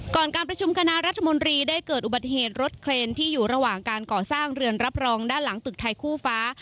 การประชุมคณะรัฐมนตรีได้เกิดอุบัติเหตุรถเครนที่อยู่ระหว่างการก่อสร้างเรือนรับรองด้านหลังตึกไทยคู่ฟ้า